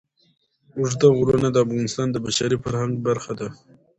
اوږده غرونه د افغانستان د بشري فرهنګ برخه ده.